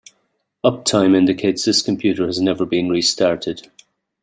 Uptime indicates this computer has never been restarted.